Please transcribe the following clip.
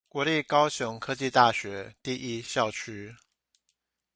國立高雄科技大學第一校區